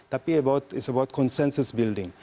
tapi ini tentang pembangunan persetujuan